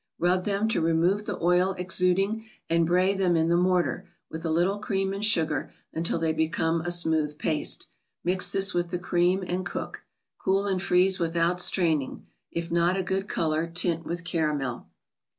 Rub them to remove the oil exuding, and bray them in the mortar, with a little cream and sugar, until they become a smooth paste. Mix this with the cream, and cook. Cool, and freeze without straining. If not a good color, tint with caramel.